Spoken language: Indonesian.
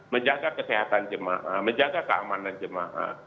menjaga kesehatan jemaah menjaga keamanan jemaah